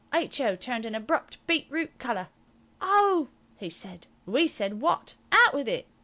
H.O. turned an abrupt beetroot colour. "Oh!" he said. We said, "What? Out with it."